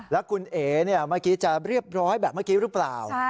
แล้วคุณเอ๋เมื่อกี้จะเรียบร้อยแบบเมื่อกี้หรือเปล่า